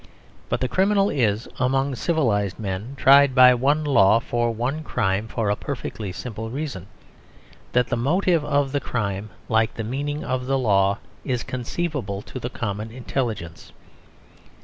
But the criminal is, among civilised men, tried by one law for one crime for a perfectly simple reason: that the motive of the crime, like the meaning of the law, is conceivable to the common intelligence.